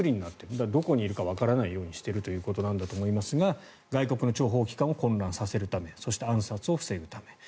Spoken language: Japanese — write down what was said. だから、どこにいるかわからないようにしているということだと思いますが外国の諜報機関を混乱させるためそして暗殺を防ぐため。